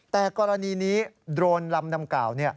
แต่กรณีนี้โดรนลำดังกล่าว